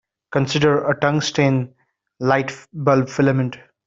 Consider a tungsten light-bulb filament.